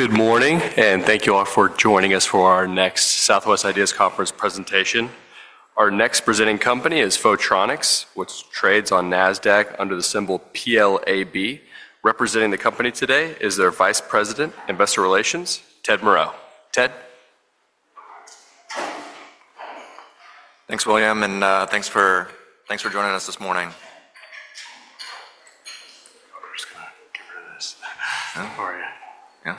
Good morning, and thank you all for joining us for our next Southwest Ideas Conference presentation. Our next presenting company is Photronics, which trades on NASDAQ under the symbol PLAB. Representing the company today is their Vice President, Investor Relations, Ted Moreau. Ted? Thanks, William, and thanks for joining us this morning. I'm just going to get rid of this. For you. Yeah.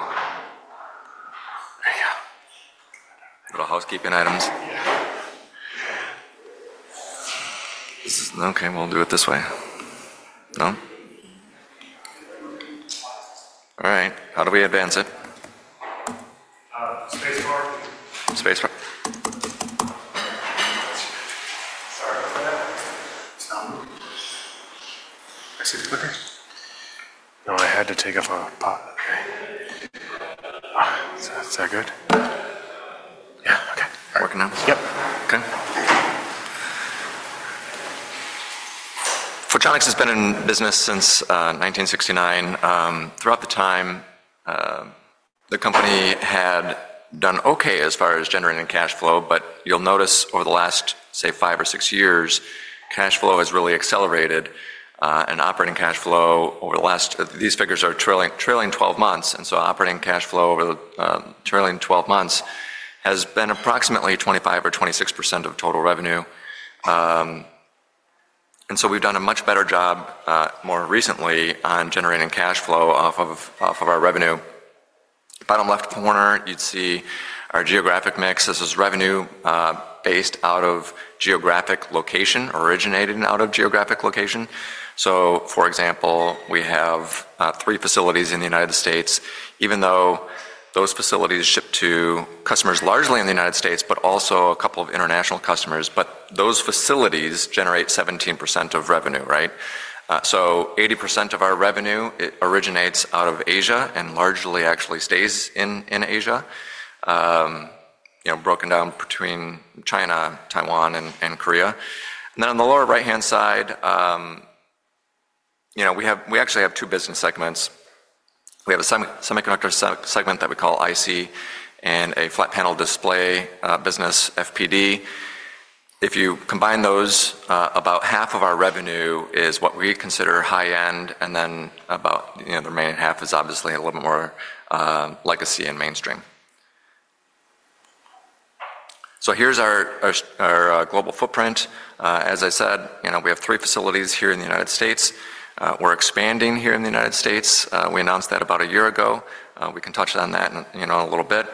There you go. Little housekeeping items. Yeah. This is okay, we'll do it this way. No? All right, how do we advance it? Space bar. Space bar. Sorry. I see the clicker. No, I had to take off a pot. Is that good? Yeah, okay. Working now? Yep. Okay. Photronics has been in business since 1969. Throughout the time, the company had done okay as far as generating cash flow, but you'll notice over the last, say, five or six years, cash flow has really accelerated, and operating cash flow over the last—these figures are trailing 12 months—and so operating cash flow over the trailing 12 months has been approximately 25% or 26% of total revenue. We've done a much better job more recently on generating cash flow off of our revenue. Bottom left corner, you'd see our geographic mix. This is revenue based out of geographic location, originated out of geographic location. For example, we have three facilities in the United States, even though those facilities ship to customers largely in the United States, but also a couple of international customers. Those facilities generate 17% of revenue, right? 80% of our revenue originates out of Asia and largely actually stays in Asia, broken down between China, Taiwan, and Korea. On the lower right-hand side, we actually have two business segments. We have a semiconductor segment that we call IC and a flat panel display business, FPD. If you combine those, about half of our revenue is what we consider high-end, and then about the remaining half is obviously a little bit more legacy and mainstream. Here is our global footprint. As I said, we have three facilities here in the United States. We are expanding here in the United States. We announced that about a year ago. We can touch on that in a little bit.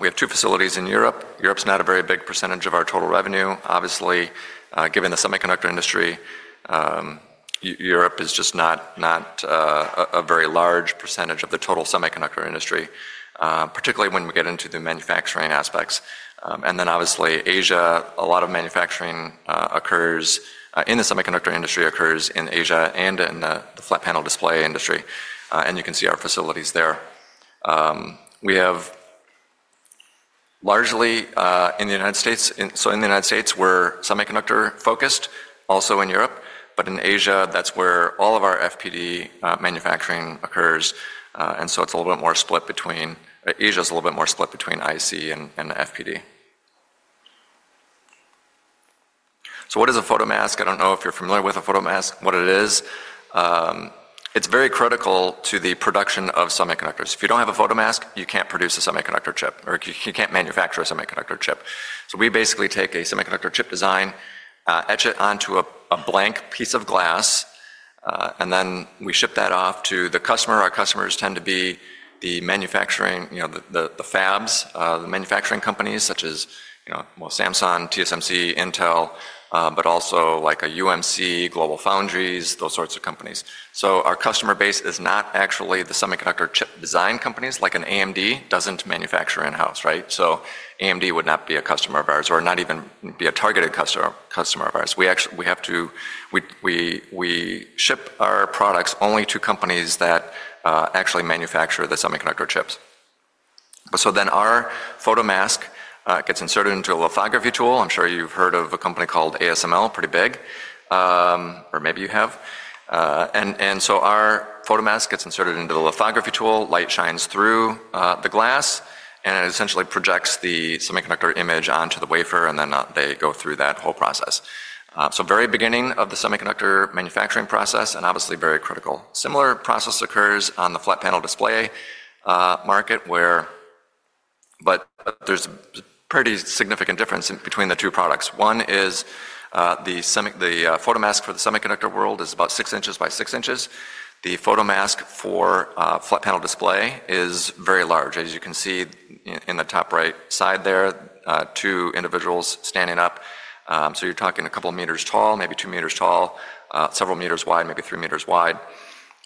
We have two facilities in Europe. Europe is not a very big percentage of our total revenue. Obviously, given the semiconductor industry, Europe is just not a very large percentage of the total semiconductor industry, particularly when we get into the manufacturing aspects. Obviously, Asia, a lot of manufacturing occurs in the semiconductor industry occurs in Asia and in the flat panel display industry. You can see our facilities there. We have largely in the United States—so in the United States, we're semiconductor-focused, also in Europe. In Asia, that's where all of our FPD manufacturing occurs. It's a little bit more split between—Asia's a little bit more split between IC and FPD. What is a photomask? I don't know if you're familiar with a photomask, what it is. It's very critical to the production of semiconductors. If you don't have a photomask, you can't produce a semiconductor chip, or you can't manufacture a semiconductor chip. We basically take a semiconductor chip design, etch it onto a blank piece of glass, and then we ship that off to the customer. Our customers tend to be the manufacturing, the fabs, the manufacturing companies, such as Samsung, TSMC, Intel, but also like a UMC, GlobalFoundries, those sorts of companies. Our customer base is not actually the semiconductor chip design companies, like an AMD doesn't manufacture in-house, right? AMD would not be a customer of ours, or not even be a targeted customer of ours. We ship our products only to companies that actually manufacture the semiconductor chips. Our photomask gets inserted into a lithography tool. I'm sure you've heard of a company called ASML, pretty big, or maybe you have. Our photomask gets inserted into the lithography tool, light shines through the glass, and it essentially projects the semiconductor image onto the wafer, and then they go through that whole process. At the very beginning of the semiconductor manufacturing process, it is obviously very critical. A similar process occurs in the flat panel display market, where there is a pretty significant difference between the two products. One is the photomask for the semiconductor world is about 6 in by 6 in. The photomask for flat panel display is very large. As you can see in the top right side there, two individuals standing up. You are talking a couple of meters tall, maybe 2 meters tall, several meters wide, maybe 3 meters wide.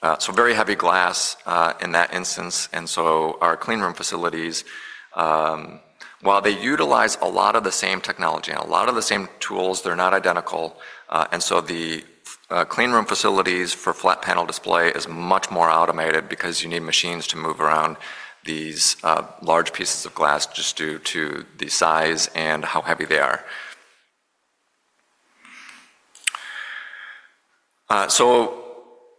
It is very heavy glass in that instance. Our cleanroom facilities, while they utilize a lot of the same technology and a lot of the same tools, are not identical. The cleanroom facilities for flat panel display are much more automated because you need machines to move around these large pieces of glass just due to the size and how heavy they are.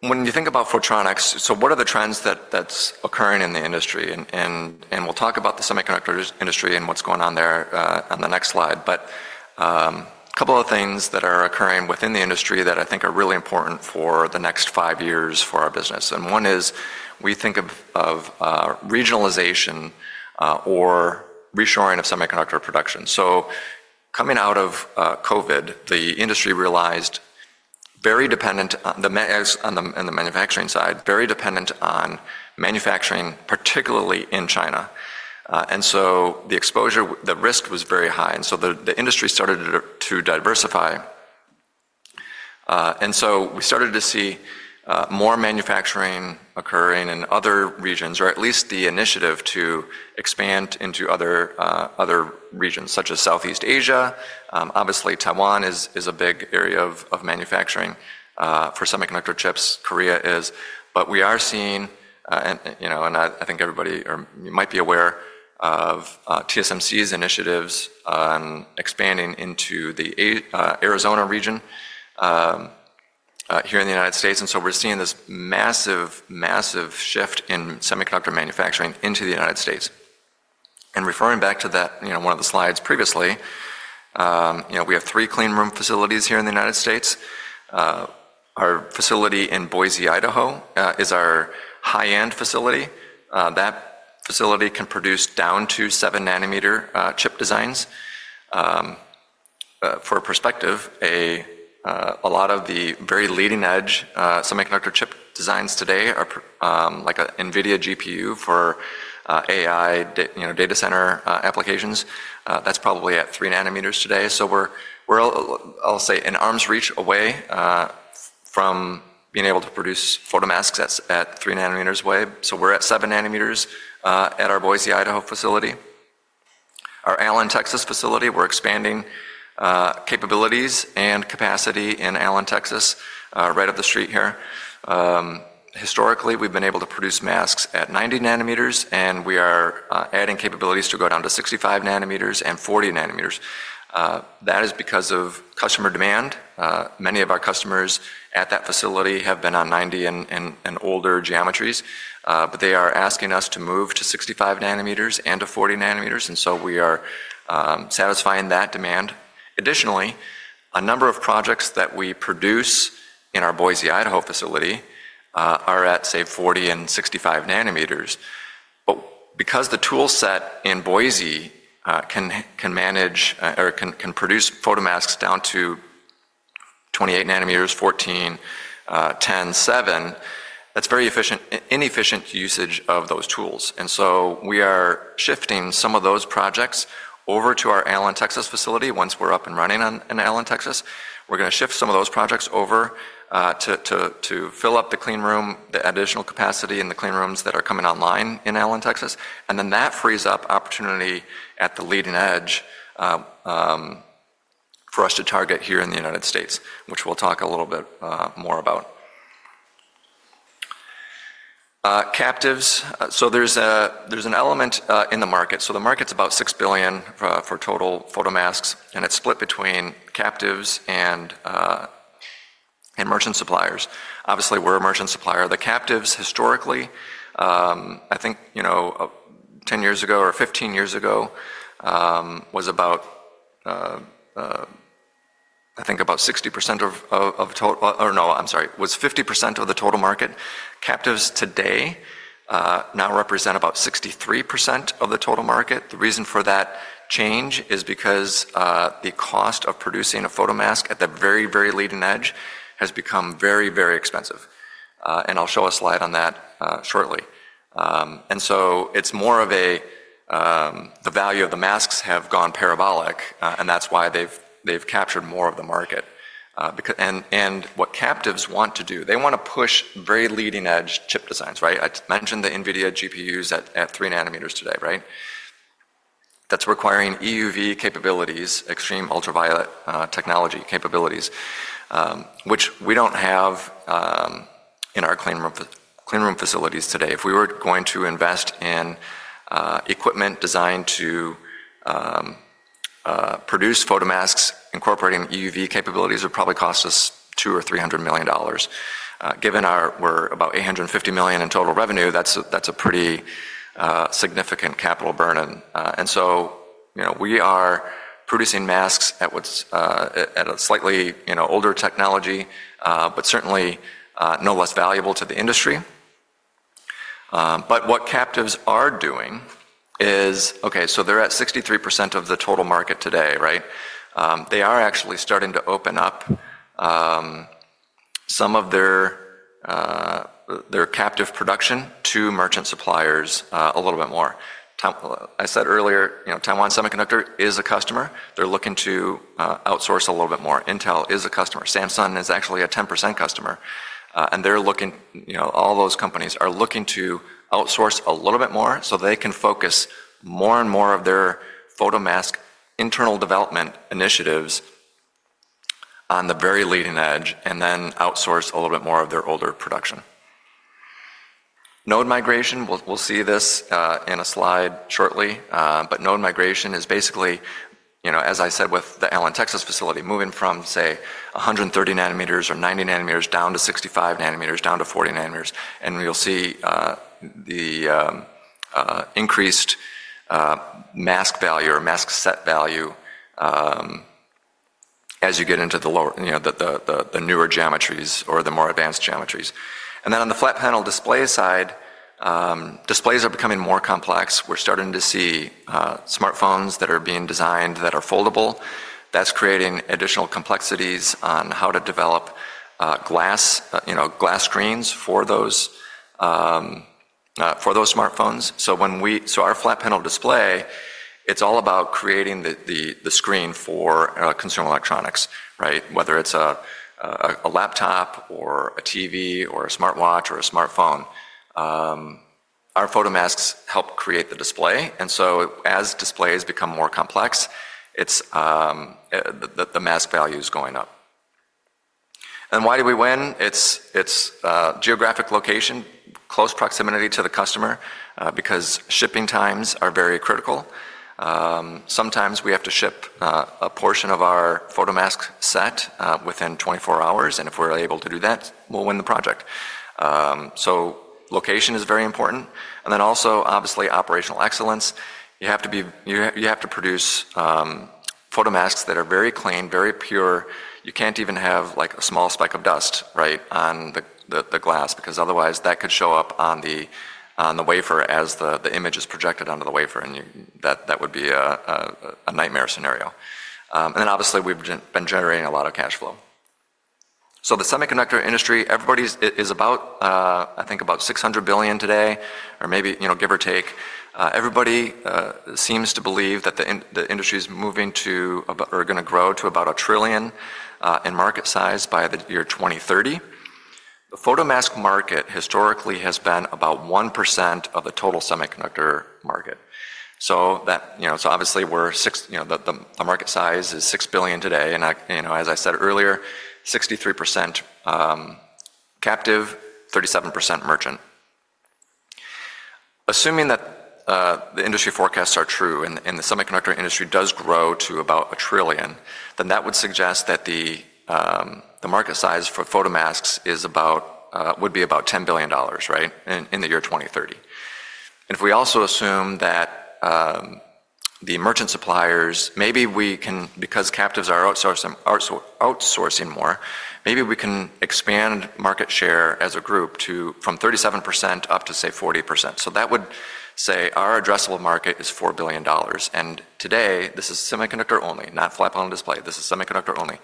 When you think about Photronics, what are the trends that are occurring in the industry? We will talk about the semiconductor industry and what is going on there on the next slide. A couple of things are occurring within the industry that I think are really important for the next five years for our business. One is we think of regionalization or reshoring of semiconductor production. Coming out of COVID, the industry realized it was very dependent on the manufacturing side, very dependent on manufacturing, particularly in China. The exposure, the risk was very high. The industry started to diversify. We started to see more manufacturing occurring in other regions, or at least the initiative to expand into other regions, such as Southeast Asia. Obviously, Taiwan is a big area of manufacturing for semiconductor chips. Korea is. We are seeing, and I think everybody might be aware of TSMC's initiatives on expanding into the Arizona region here in the United States. We are seeing this massive, massive shift in semiconductor manufacturing into the United States. Referring back to that, one of the slides previously, we have three cleanroom facilities here in the United States. Our facility in Boise, Idaho, is our high-end facility. That facility can produce down to seven nanometer chip designs. For perspective, a lot of the very leading-edge semiconductor chip designs today are like an NVIDIA GPU for AI data center applications. That's probably at three nanometers today. We're, I'll say, in arm's reach away from being able to produce photomasks at three nanometers away. We're at seven nanometers at our Boise, Idaho facility. Our Allen, Texas facility, we're expanding capabilities and capacity in Allen, Texas, right up the street here. Historically, we've been able to produce masks at 90 nanometers, and we are adding capabilities to go down to 65 nanometers and 40 nanometers. That is because of customer demand. Many of our customers at that facility have been on 90 and older geometries, but they are asking us to move to 65 nanometers and to 40 nanometers. We are satisfying that demand. Additionally, a number of projects that we produce in our Boise, Idaho facility are at, say, 40 and 65 nanometers. Because the toolset in Boise can manage or can produce photomasks down to 28 nanometers, 14, 10, seven, that's very efficient, inefficient usage of those tools. We are shifting some of those projects over to our Allen, Texas facility. Once we're up and running in Allen, Texas, we're going to shift some of those projects over to fill up the cleanroom, the additional capacity in the cleanrooms that are coming online in Allen, Texas. That frees up opportunity at the leading edge for us to target here in the United States, which we'll talk a little bit more about. Captives. There's an element in the market. The market's about $6 billion for total photomasks, and it's split between captives and merchant suppliers. Obviously, we're a merchant supplier. The captives, historically, I think 10 years ago or 15 years ago was about, I think, about 60% of the total—or no, I'm sorry, was 50% of the total market. Captives today now represent about 63% of the total market. The reason for that change is because the cost of producing a photomask at the very, very leading edge has become very, very expensive. I'll show a slide on that shortly. It is more of a—the value of the masks have gone parabolic, and that's why they've captured more of the market. What captives want to do, they want to push very leading-edge chip designs, right? I mentioned the NVIDIA GPUs at three nanometers today, right? That's requiring EUV capabilities, extreme ultraviolet technology capabilities, which we don't have in our cleanroom facilities today. If we were going to invest in equipment designed to produce photomasks incorporating EUV capabilities, it would probably cost us $200 million-$300 million. Given our—we're about $850 million in total revenue, that's a pretty significant capital burden. We are producing masks at a slightly older technology, but certainly no less valuable to the industry. What captives are doing is, okay, so they're at 63% of the total market today, right? They are actually starting to open up some of their captive production to merchant suppliers a little bit more. I said earlier, Taiwan Semiconductor is a customer. They're looking to outsource a little bit more. Intel is a customer. Samsung is actually a 10% customer. They're looking—all those companies are looking to outsource a little bit more so they can focus more and more of their photomask internal development initiatives on the very leading edge and then outsource a little bit more of their older production. Node migration. We'll see this in a slide shortly. Node migration is basically, as I said with the Allen, Texas facility, moving from, say, 130 nanometers or 90 nanometers down to 65 nanometers, down to 40 nanometers. You'll see the increased mask value or mask set value as you get into the newer geometries or the more advanced geometries. On the flat panel display side, displays are becoming more complex. We're starting to see smartphones that are being designed that are foldable. That's creating additional complexities on how to develop glass screens for those smartphones. Our flat panel display, it's all about creating the screen for consumer electronics, right? Whether it's a laptop or a TV or a smartwatch or a smartphone, our photomasks help create the display. As displays become more complex, the mask value is going up. Why do we win? It's geographic location, close proximity to the customer, because shipping times are very critical. Sometimes we have to ship a portion of our photomask set within 24 hours. If we're able to do that, we'll win the project. Location is very important. Also, obviously, operational excellence. You have to produce photomasks that are very clean, very pure. You can't even have like a small speck of dust, right, on the glass, because otherwise that could show up on the wafer as the image is projected onto the wafer, and that would be a nightmare scenario. Obviously, we've been generating a lot of cash flow. The semiconductor industry, everybody is about, I think, about $600 billion today, or maybe give or take. Everybody seems to believe that the industry is moving to or going to grow to about $1 trillion in market size by the year 2030. The photomask market historically has been about 1% of the total semiconductor market. Obviously, the market size is $6 billion today. As I said earlier, 63% captive, 37% merchant. Assuming that the industry forecasts are true and the semiconductor industry does grow to about a trillion, that would suggest that the market size for photomasks would be about $10 billion, right, in the year 2030. If we also assume that the merchant suppliers, maybe we can, because captives are outsourcing more, maybe we can expand market share as a group from 37% up to, say, 40%. That would say our addressable market is $4 billion. Today, this is semiconductor only, not flat panel display. This is semiconductor only.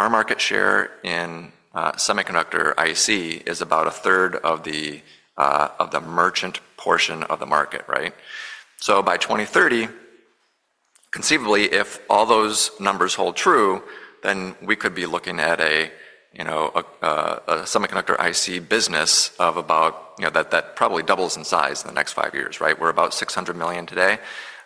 Our market share in semiconductor IC is about a third of the merchant portion of the market, right? By 2030, conceivably, if all those numbers hold true, we could be looking at a semiconductor IC business of about that probably doubles in size in the next five years, right? We're about $600 million today.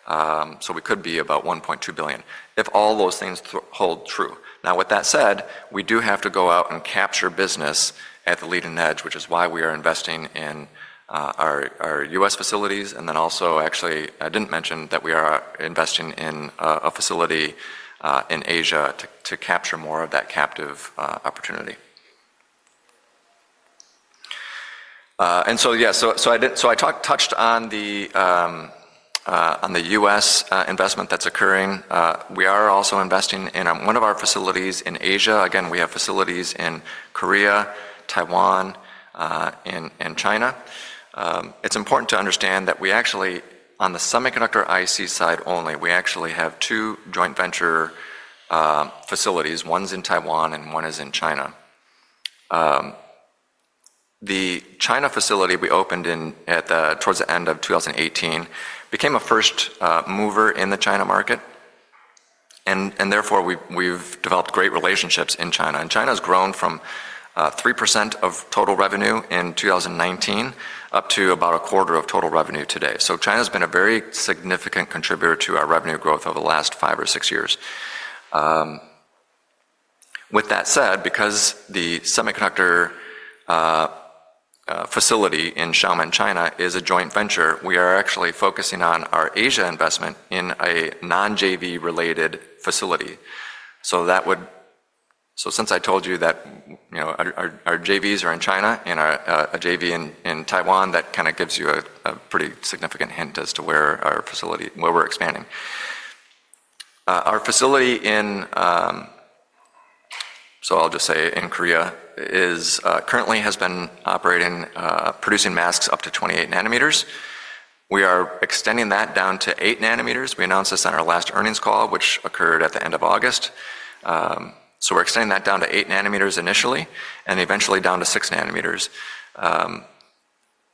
We could be about $1.2 billion if all those things hold true. Now, with that said, we do have to go out and capture business at the leading edge, which is why we are investing in our U.S. facilities. Actually, I did not mention that we are investing in a facility in Asia to capture more of that captive opportunity. Yeah, I touched on the U.S. investment that's occurring. We are also investing in one of our facilities in Asia. Again, we have facilities in Korea, Taiwan, and China. It's important to understand that we actually, on the semiconductor IC side only, have two joint venture facilities. One is in Taiwan and one is in China. The China facility we opened towards the end of 2018 became a first mover in the China market. Therefore, we've developed great relationships in China. China has grown from 3% of total revenue in 2019 up to about a quarter of total revenue today. China has been a very significant contributor to our revenue growth over the last five or six years. With that said, because the semiconductor facility in Xiamen, China, is a joint venture, we are actually focusing on our Asia investment in a non-JV-related facility. Since I told you that our JVs are in China and a JV in Taiwan, that kind of gives you a pretty significant hint as to where our facility, where we're expanding. Our facility in Korea currently has been operating, producing masks up to 28 nanometers. We are extending that down to eight nanometers. We announced this on our last earnings call, which occurred at the end of August. We're extending that down to eight nanometers initially and eventually down to six nanometers.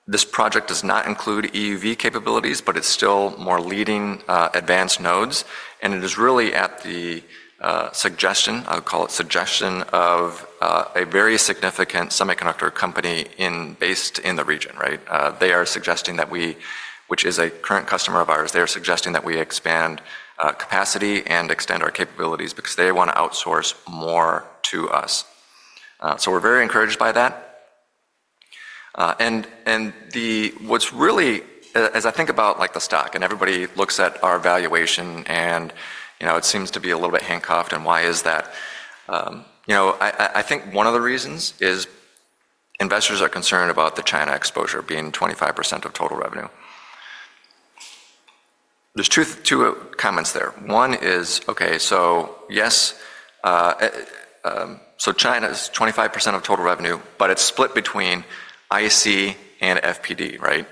This project does not include EUV capabilities, but it's still more leading advanced nodes. It is really at the suggestion, I'll call it suggestion, of a very significant semiconductor company based in the region, right? They are suggesting that we, which is a current customer of ours, expand capacity and extend our capabilities because they want to outsource more to us. We're very encouraged by that. What's really, as I think about the stock and everybody looks at our valuation and it seems to be a little bit handcuffed, why is that? I think one of the reasons is investors are concerned about the China exposure being 25% of total revenue. There's two comments there. One is, okay, yes, China is 25% of total revenue, but it's split between IC and FPD, right?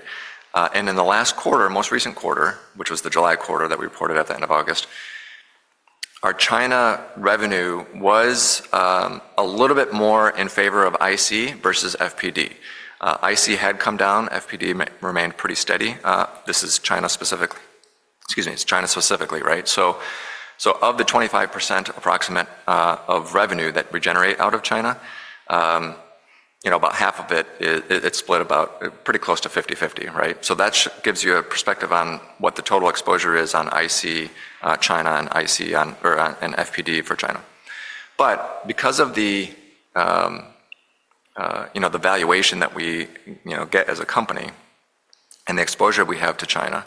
In the last quarter, most recent quarter, which was the July quarter that we reported at the end of August, our China revenue was a little bit more in favor of IC versus FPD. IC had come down. FPD remained pretty steady. This is China specifically. Excuse me, it's China specifically, right? Of the 25% approximate of revenue that we generate out of China, about half of it, it's split about pretty close to 50/50, right? That gives you a perspective on what the total exposure is on IC, China and IC or FPD for China. Because of the valuation that we get as a company and the exposure we have to China,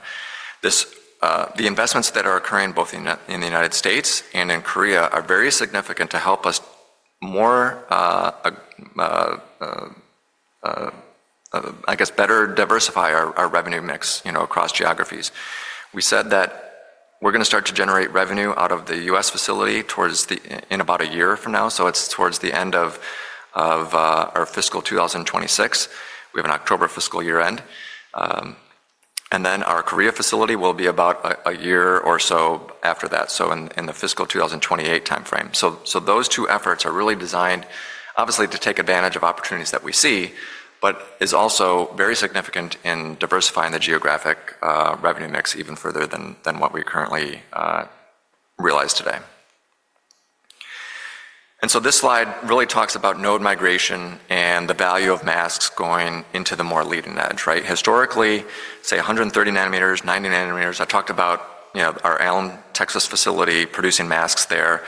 the investments that are occurring both in the United States and in Korea are very significant to help us more, I guess, better diversify our revenue mix across geographies. We said that we're going to start to generate revenue out of the U.S. facility in about a year from now. It is towards the end of our fiscal 2026. We have an October fiscal year end. Our Korea facility will be about a year or so after that, in the fiscal 2028 timeframe. Those two efforts are really designed, obviously, to take advantage of opportunities that we see, but are also very significant in diversifying the geographic revenue mix even further than what we currently realize today. This slide really talks about node migration and the value of masks going into the more leading edge, right? Historically, say 130 nanometers, 90 nanometers, I talked about our Allen, Texas facility producing masks there.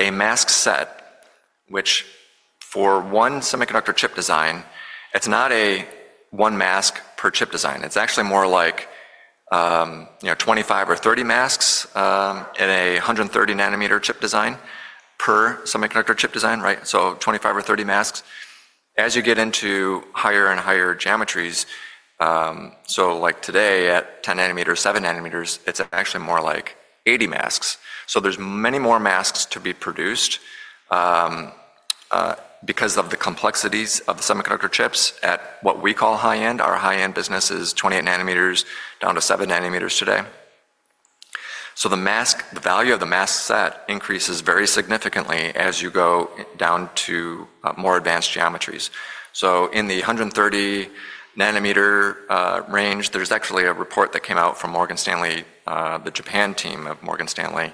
A mask set, which for one semiconductor chip design, it's not a one mask per chip design. It's actually more like 25 or 30 masks in a 130 nanometer chip design per semiconductor chip design, right? So 25 or 30 masks. As you get into higher and higher geometries, like today at 10 nanometers, seven nanometers, it's actually more like 80 masks. There are many more masks to be produced because of the complexities of the semiconductor chips at what we call high end. Our high end business is 28 nanometers down to seven nanometers today. The value of the mask set increases very significantly as you go down to more advanced geometries. In the 130 nanometer range, there's actually a report that came out from Morgan Stanley, the Japan team of Morgan Stanley.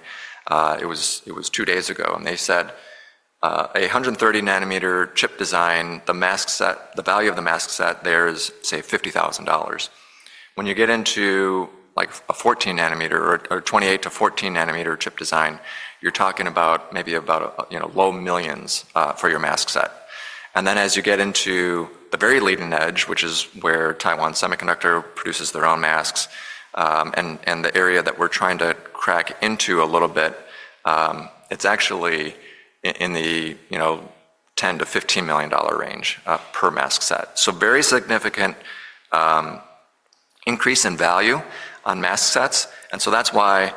It was two days ago, and they said a 130 nanometer chip design, the mask set, the value of the mask set there is, say, $50,000. When you get into like a 14 nanometer or 28 to 14 nanometer chip design, you're talking about maybe about low millions for your mask set. As you get into the very leading edge, which is where Taiwan Semiconductor produces their own masks and the area that we're trying to crack into a little bit, it's actually in the $10 million-$15 million range per mask set. Very significant increase in value on mask sets. That is why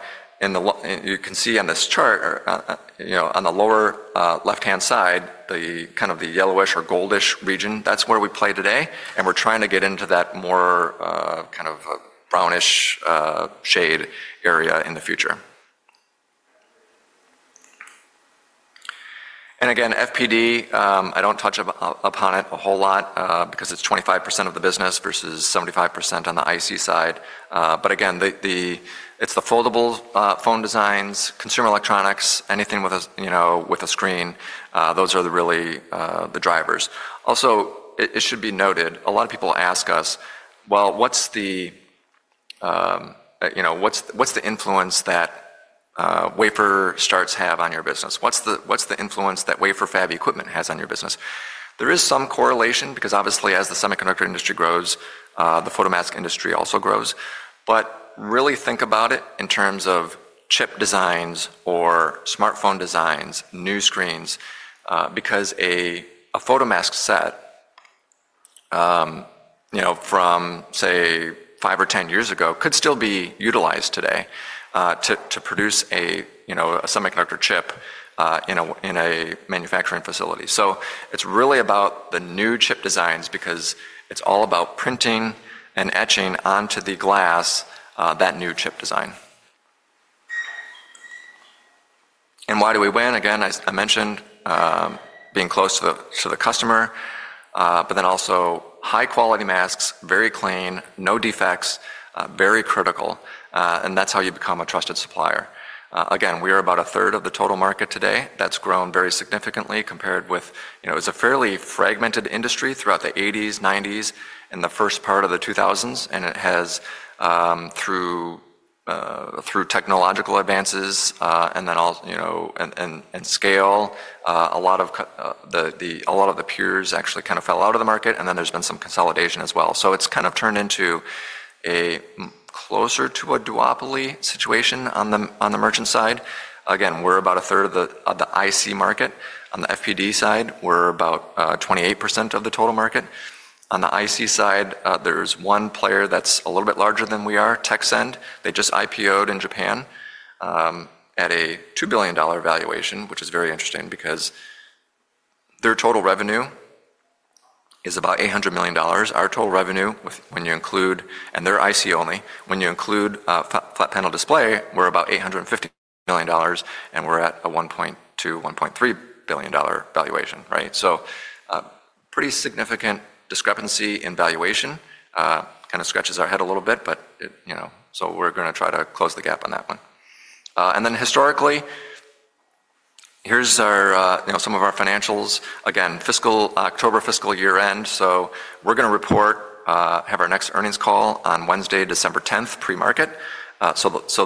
you can see on this chart, on the lower left-hand side, the kind of the yellowish or goldish region, that is where we play today. We are trying to get into that more kind of brownish shade area in the future. Again, FPD, I do not touch upon it a whole lot because it is 25% of the business versus 75% on the IC side. Again, it is the foldable phone designs, consumer electronics, anything with a screen. Those are really the drivers. Also, it should be noted, a lot of people ask us, well, what is the influence that wafer starts have on your business? What is the influence that wafer fab equipment has on your business? There is some correlation because obviously, as the semiconductor industry grows, the photomask industry also grows. Really think about it in terms of chip designs or smartphone designs, new screens, because a photomask set from, say, five or 10 years ago could still be utilized today to produce a semiconductor chip in a manufacturing facility. It is really about the new chip designs because it is all about printing and etching onto the glass that new chip design. Why do we win? Again, I mentioned being close to the customer, but then also high quality masks, very clean, no defects, very critical. That is how you become a trusted supplier. Again, we are about a third of the total market today. That has grown very significantly compared with, it was a fairly fragmented industry throughout the 1980s, 1990s, and the first part of the 2000s. It has, through technological advances and then scale, a lot of the peers actually kind of fell out of the market. There has been some consolidation as well. It has kind of turned into a closer to a duopoly situation on the merchant side. Again, we're about a third of the IC market. On the FPD side, we're about 28% of the total market. On the IC side, there's one player that's a little bit larger than we are, Texscend. They just IPO'd in Japan at a $2 billion valuation, which is very interesting because their total revenue is about $800 million. Our total revenue, when you include, and they're IC only, when you include flat panel display, we're about $850 million and we're at a $1.2 billion-$1.3 billion valuation, right? Pretty significant discrepancy in valuation kind of scratches our head a little bit, but we are going to try to close the gap on that one. Historically, here are some of our financials. Again, October fiscal year end. We are going to report, have our next earnings call on Wednesday, December 10th, pre-market.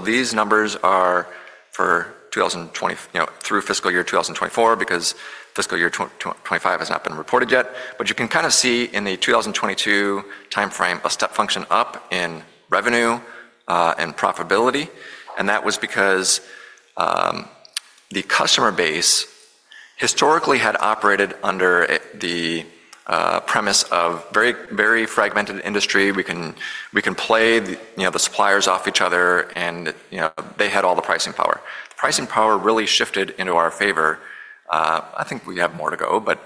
These numbers are for through fiscal year 2024 because fiscal year 2025 has not been reported yet. You can kind of see in the 2022 timeframe, a step function up in revenue and profitability. That was because the customer base historically had operated under the premise of very fragmented industry. We can play the suppliers off each other and they had all the pricing power. Pricing power really shifted into our favor. I think we have more to go, but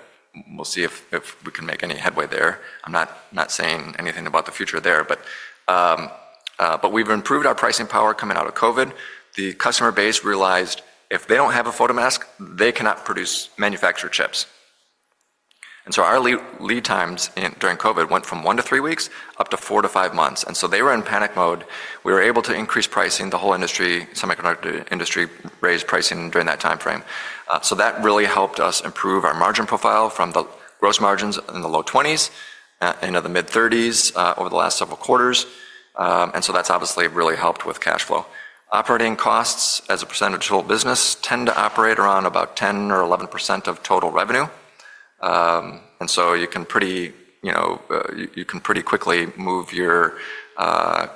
we will see if we can make any headway there. I'm not saying anything about the future there, but we've improved our pricing power coming out of COVID. The customer base realized if they don't have a photomask, they cannot produce manufactured chips. Our lead times during COVID went from one to three weeks up to four to five months. They were in panic mode. We were able to increase pricing. The whole industry, semiconductor industry, raised pricing during that timeframe. That really helped us improve our margin profile from the gross margins in the low 20s into the mid 30s over the last several quarters. That obviously really helped with cash flow. Operating costs as a percentage of total business tend to operate around about 10% or 11% of total revenue. You can pretty quickly move your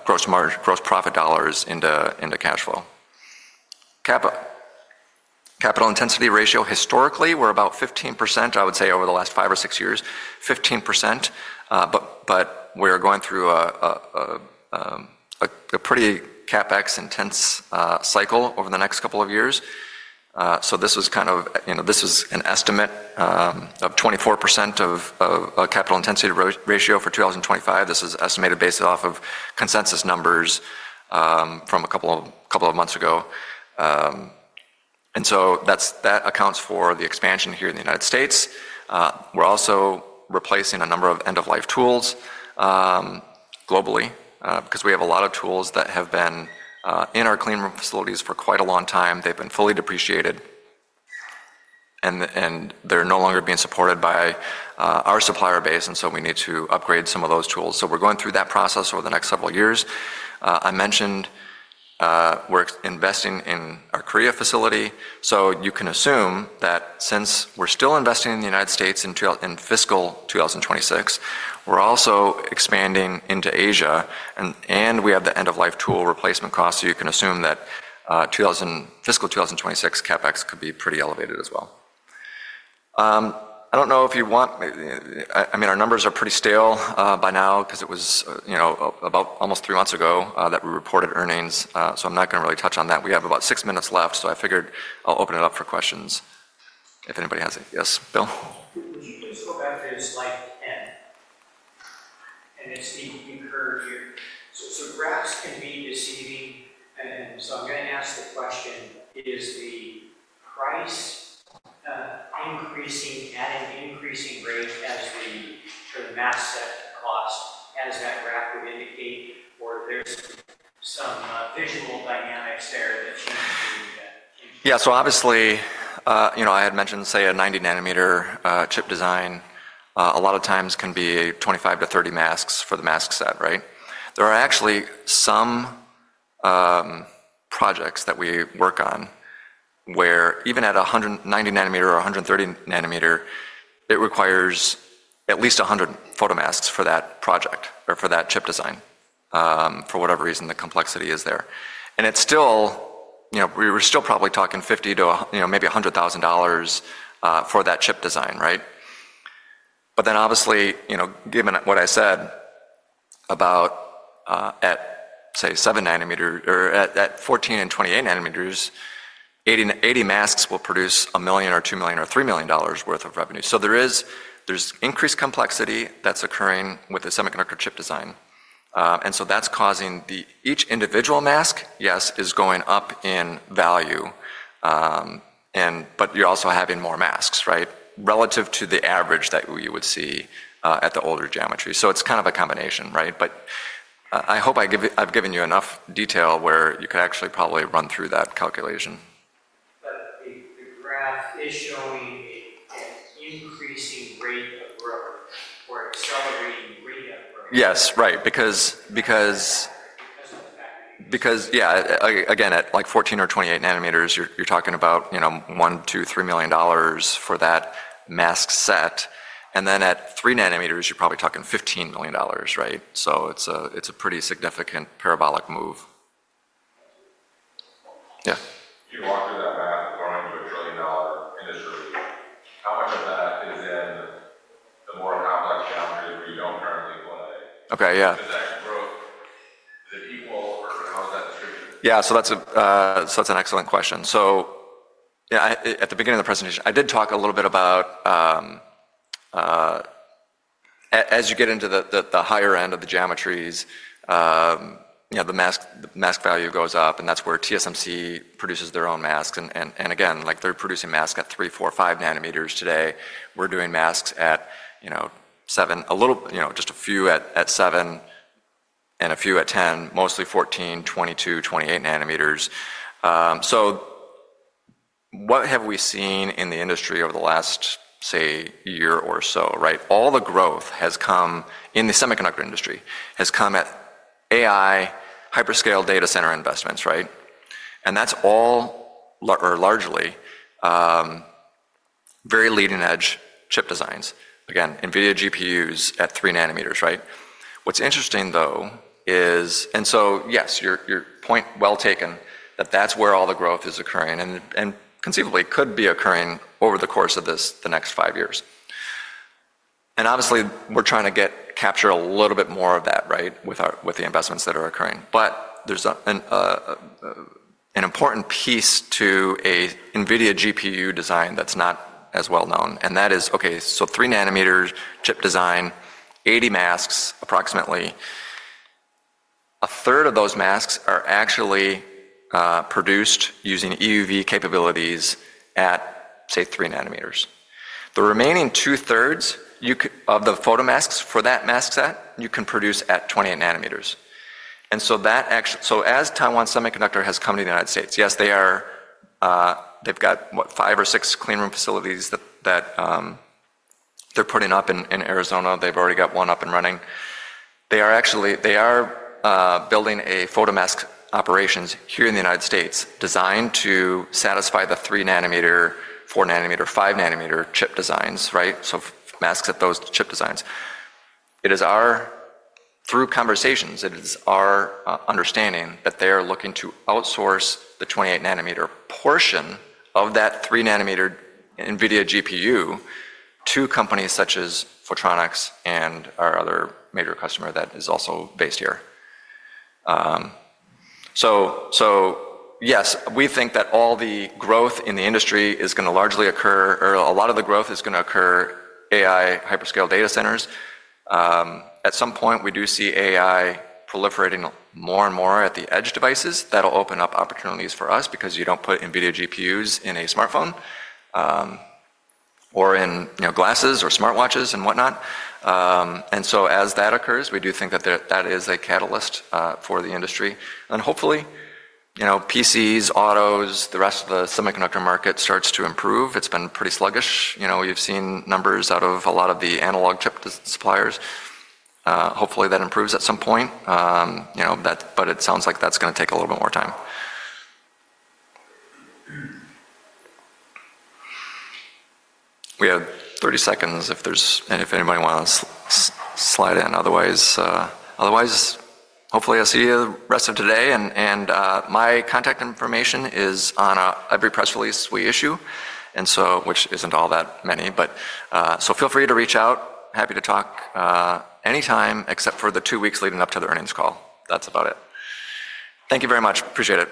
gross profit dollars into cash flow. Capital intensity ratio historically, we're about 15%, I would say over the last five or six years, 15%. We're going through a pretty CapEx intense cycle over the next couple of years. This was kind of, this was an estimate of 24% of capital intensity ratio for 2025. This is estimated based off of consensus numbers from a couple of months ago. That accounts for the expansion here in the United States. We're also replacing a number of end-of-life tools globally because we have a lot of tools that have been in our cleanroom facilities for quite a long time. They've been fully depreciated and they're no longer being supported by our supplier base. We need to upgrade some of those tools. We're going through that process over the next several years. I mentioned we're investing in our Korea facility. You can assume that since we're still investing in the United States in fiscal 2026, we're also expanding into Asia and we have the end-of-life tool replacement costs. You can assume that fiscal 2026 CapEx could be pretty elevated as well. I don't know if you want, I mean, our numbers are pretty stale by now because it was about almost three months ago that we reported earnings. I'm not going to really touch on that. We have about six minutes left. I figured I'll open it up for questions if anybody has any. Yes, Bill? Would you please go back to slide 10? It's the encourage here. Graphs can be deceiving. I'm going to ask the question, is the price increasing, adding increasing rate as the mask set cost, as that graph would indicate, or there's some visual dynamics there that changed? Yeah, obviously, I had mentioned, say, a 90 nanometer chip design a lot of times can be 25-30 masks for the mask set, right? There are actually some projects that we work on where even at a 190 nanometer or 130 nanometer, it requires at least 100 photomasks for that project or for that chip design for whatever reason the complexity is there. We're still probably talking $50,000 to maybe $100,000 for that chip design, right? Obviously, given what I said about at, say, seven nanometer or at 14 and 28 nanometers, 80 masks will produce a million or $2 million or $3 million worth of revenue. There's increased complexity that's occurring with the semiconductor chip design. That's causing each individual mask, yes, is going up in value, but you're also having more masks, right, relative to the average that you would see at the older geometry. It's kind of a combination, right? I hope I've given you enough detail where you could actually probably run through that calculation. The graph is showing an increasing rate of growth or accelerating rate of growth. Yes, right, because of the factory. Because, yeah, again, at like 14 or 28 nanometers, you're talking about $1 million, $2 million, $3 million for that mask set. At three nanometers, you're probably talking $15 million, right? It's a pretty significant parabolic move. Yeah. You walk through that math, you're going into a trillion dollar industry. How much of that is in the more complex geometry where you do not currently play? Okay, yeah. Is that growth, is it equal or how is that distributed? Yeah, that is an excellent question. At the beginning of the presentation, I did talk a little bit about as you get into the higher end of the geometries, the mask value goes up and that is where TSMC produces their own masks. Again, they are producing masks at three, four, five nanometers today. We are doing masks at seven, just a few at seven and a few at 10, mostly 14, 22, 28 nanometers. What have we seen in the industry over the last, say, year or so, right? All the growth has come in the semiconductor industry has come at AI hyperscale data center investments, right? That is all or largely very leading edge chip designs. Again, NVIDIA GPUs at three nanometers, right? What's interesting though is, yes, your point well taken that that's where all the growth is occurring and conceivably could be occurring over the course of the next five years. Obviously, we're trying to capture a little bit more of that, right, with the investments that are occurring. There's an important piece to a NVIDIA GPU design that's not as well known. That is, okay, three nanometer chip design, 80 masks approximately. A third of those masks are actually produced using EUV capabilities at, say, three nanometers. The remaining two thirds of the photomasks for that mask set, you can produce at 28 nanometers. As Taiwan Semiconductor has come to the United States, yes, they've got what, five or six cleanroom facilities that they're putting up in Arizona. They've already got one up and running. They are building a photomask operations here in the United States designed to satisfy the three nanometer, four nanometer, five nanometer chip designs, right? Masks at those chip designs. It is our, through conversations, it is our understanding that they are looking to outsource the 28 nanometer portion of that three nanometer NVIDIA GPU to companies such as Photronics and our other major customer that is also based here. Yes, we think that all the growth in the industry is going to largely occur, or a lot of the growth is going to occur AI hyperscale data centers. At some point, we do see AI proliferating more and more at the edge devices. That'll open up opportunities for us because you do not put NVIDIA GPUs in a smartphone or in glasses or smartwatches and whatnot. As that occurs, we do think that that is a catalyst for the industry. Hopefully, PCs, autos, the rest of the semiconductor market start to improve. It has been pretty sluggish. You have seen numbers out of a lot of the analog chip suppliers. Hopefully, that improves at some point, but it sounds like that is going to take a little bit more time. We have 30 seconds if anybody wants to slide in. Otherwise, hopefully I will see you the rest of today. My contact information is on every press release we issue, which is not all that many. Feel free to reach out. Happy to talk anytime except for the two weeks leading up to the earnings call. That is about it. Thank you very much. Appreciate it.